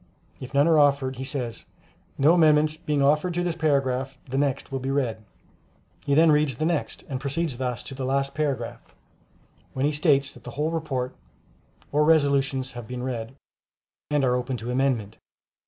If none are offered, he says, "No amendments being offered to this paragraph, the next will be read;" he then reads the next, and proceeds thus to the last paragraph, when he states that the whole report or resolutions have been read, and are open to amendment.